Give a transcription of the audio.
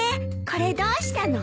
これどうしたの？